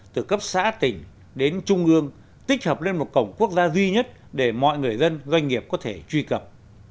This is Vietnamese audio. từ cấp xã tỉnh đến trung ương tích hợp lên một cổng quốc gia duy nhất để mọi người dân doanh nghiệp có thể truy cập